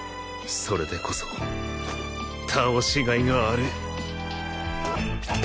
それでこそ倒しがいがある！